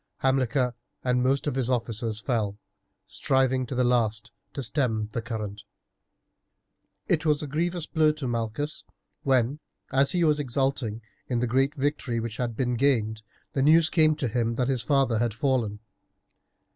Hamilcar and most of his officers fell, striving to the last to stem the current. It was a grievous blow to Malchus, when, as he was exulting in the great victory which had been gained, the news came to him that his father had fallen.